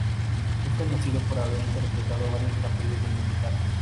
Es conocido por haber interpretado varios papeles de militar.